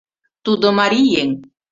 Тудо марий еҥ.